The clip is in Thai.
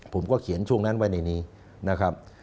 ผมก็เขียนช่วงนั้นไว้ในนี้นะครับ